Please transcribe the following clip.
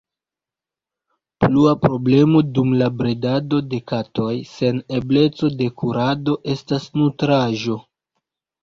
Plua problemo dum la bredado de katoj sen ebleco de kurado estas nutraĵo.